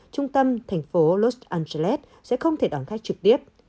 trung tâm thành phố los angeles sẽ không thể đón khách trực tiếp